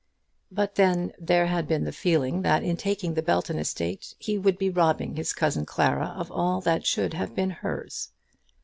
But then there had been the feeling that in taking the Belton estate he would be robbing his cousin Clara of all that should have been hers.